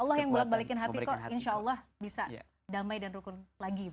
allah yang buat balikkan hatiku insya allah bisa damai dan rukun lagi